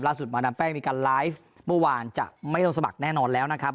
มาดามแป้งมีการไลฟ์เมื่อวานจะไม่ลงสมัครแน่นอนแล้วนะครับ